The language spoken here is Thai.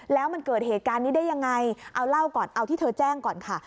แล้วมันเกิดเหตุการณ์นี้ได้ยังไงเอาเล่าก่อนเอาที่เธอแจ้งก่อนค่ะ